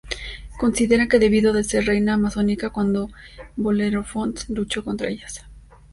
Consideran que debió de ser reina amazónica cuando Belerofonte luchó contra ellas.